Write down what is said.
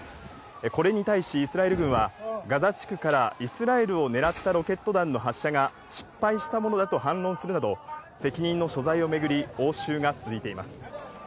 これに対し、イスラエル軍は、ガザ地区からイスラエルを狙ったロケット弾の発射が失敗したものだと反論するなど、責任の所在を巡り、応酬が続いています。